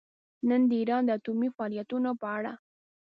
نن د ایران د اټومي فعالیتونو په اړه